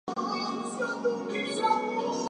The loss of wind creates the tremulant effect.